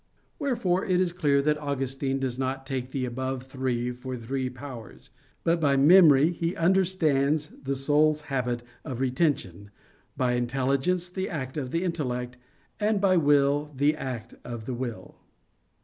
Wherefore it is clear that Augustine does not take the above three for three powers; but by memory he understands the soul's habit of retention; by intelligence, the act of the intellect; and by will, the act of the will.